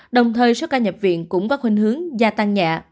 đồng thời số ca nhập viện cũng có khuyến hướng gia tăng nhẹ